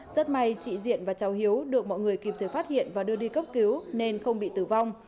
rất may chị diện và cháu hiếu được mọi người kịp thời phát hiện và đưa đi cấp cứu nên không bị tử vong